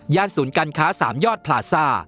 ย่านศูนย์กันค้า๓ยอดพลาซ่า